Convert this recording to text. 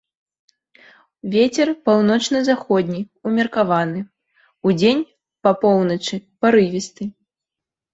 Вецер паўночна-заходні ўмеркаваны, удзень па поўначы парывісты.